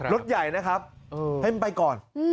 รถใหญ่นะครับให้มันไปก่อน